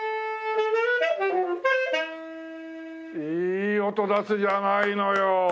いい音出すじゃないのよ。